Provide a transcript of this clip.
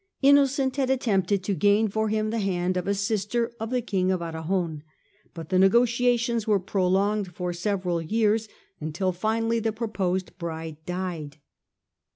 Innocent had attempted to gain for him the hand of a sister of the King of Arragon, but the negotiations were prolonged for several years, until finally the pro posed bride died.